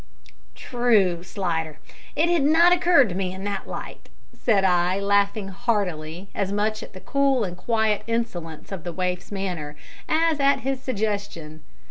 "True, Slidder; it had not occurred to me in that light," said I, laughing heartily, as much at the cool and quiet insolence of the waif's manner as at his suggestion.